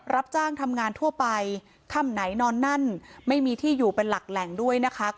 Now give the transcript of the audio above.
รับจ้างทำงานทั่วไปค่ำไหนนอนนั่นไม่มีที่อยู่เป็นหลักแหล่งด้วยนะคะ